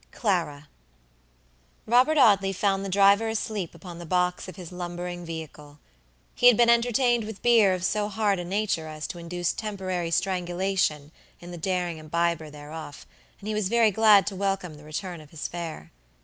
CLARA. Robert Audley found the driver asleep upon the box of his lumbering vehicle. He had been entertained with beer of so hard a nature as to induce temporary strangulation in the daring imbiber thereof, and he was very glad to welcome the return of his fare.